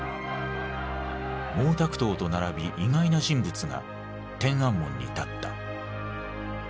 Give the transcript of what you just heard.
毛沢東と並び意外な人物が天安門に立った。